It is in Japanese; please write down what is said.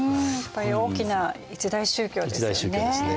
大きな一大宗教ですよね。